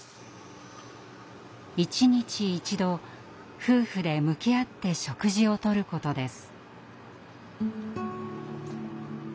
一日１度夫婦で向き合って食事をとることです。